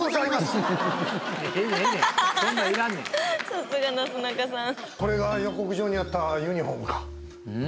さすが、なすなかさん。